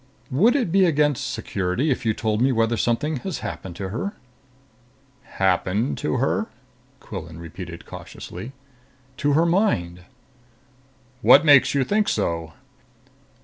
"Would it be against security if you told me whether something has happened to her?" "Happened to her?" Quillan repeated cautiously. "To her mind." "What makes you think so?"